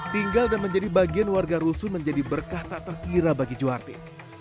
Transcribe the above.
tinggal dan menjadi bagian warga rusuh menjadi berkah tak terkira bagi juwarti